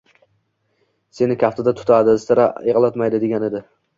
Seni kaftida tutadi, sira yig‘latmaydi”, – degan edi